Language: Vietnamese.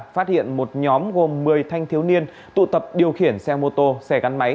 phát hiện một nhóm gồm một mươi thanh thiếu niên tụ tập điều khiển xe mô tô xe gắn máy